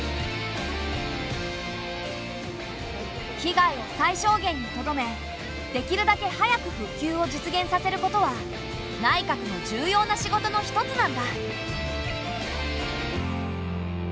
被害を最小限にとどめできるだけ早く復旧を実現させることは内閣の重要な仕事の一つなんだ。